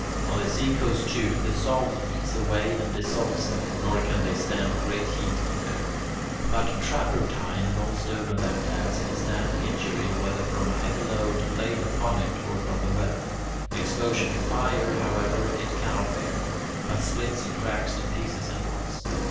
On the seacoast, too, the salt eats away and dissolves them, nor can they stand great heat either. But travertine and all stone of that class can stand injury whether from a heavy load laid upon it or from the weather; exposure to fire, however, it cannot bear, but splits and cracks to pieces at once.